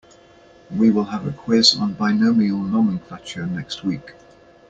We will have a quiz on binomial nomenclature next week.